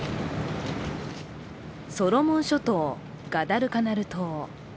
ソロモン諸島ガダルカナル島。